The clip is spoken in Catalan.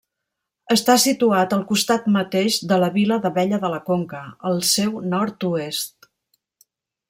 Està situat al costat mateix de la vila d'Abella de la Conca, al seu nord-oest.